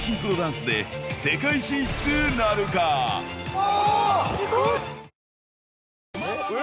お！